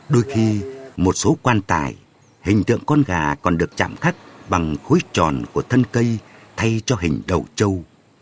đôi khi một số quan tài hình tượng con gà còn được trạm khắc bằng khối tròn của thân cây thay cho hình đầu trâu